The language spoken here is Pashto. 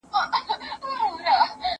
زه سیر نه کوم؟!